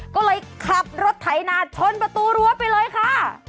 ก็เลยขับรถไถนาชนประตูรั้วไปเลยค่ะ